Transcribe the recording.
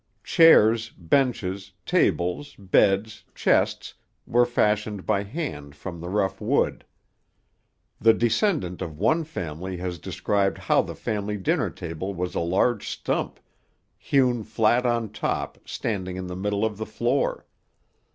Chairs, benches, tables, beds, chests, were fashioned by hand from the rough wood. The descendant of one family has described how the family dinner table was a large stump, hewn flat on top, standing in the middle of the floor.